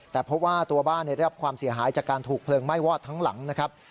แต่เพราะว่าตัวบ้านได้รับความเสียหายจากการถูกเพลิงไหม้วอดทั้งหลังนะครับ